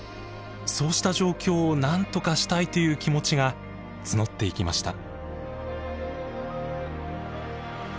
そうした状況をなんとかしたいという気持ちが募っていきました。